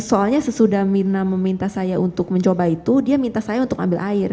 soalnya sesudah mirna meminta saya untuk mencoba itu dia minta saya untuk ambil air